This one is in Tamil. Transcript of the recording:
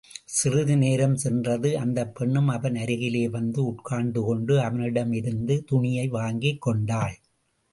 சிறிது நேரம் சென்றதும் அந்தப் பெண்ணும் அவன் அருகிலே வந்து உட்கார்ந்துக் கொண்டு, அவனிடமிருந்து துணியை வாங்கிக் கொண்டாள்.